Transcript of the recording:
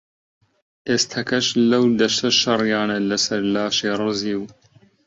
ئێستەکەش لەو دەشتە شەڕیانە لەسەر لاشەی ڕزیو